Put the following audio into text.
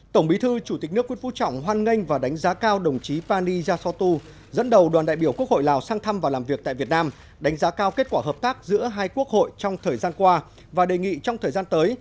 tổng bí thư chủ tịch nước nguyễn phú trọng hoan nghênh và đánh giá cao đồng chí pani yathotu dẫn đầu đoàn đại biểu quốc hội lào sang thăm và làm việc tại việt nam đánh giá cao kết quả hợp tác giữa hai quốc hội trong thời gian qua và đề nghị trong thời gian tới